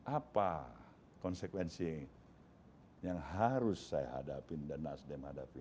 apa konsekuensi yang harus saya hadapin dan nasdem hadapi